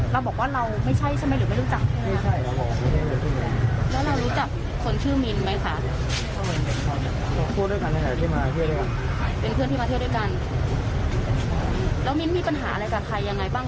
มาเที่ยวด้วยกัน